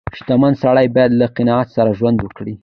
• شتمن سړی باید له قناعت سره ژوند وکړي.